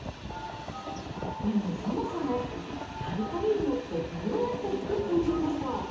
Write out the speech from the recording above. でも、そもそもカリカリ梅ってどうやって作っているんでしょう？